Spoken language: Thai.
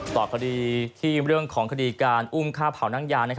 ต่อคดีที่เรื่องของคดีการอุ้มฆ่าเผานั่งยา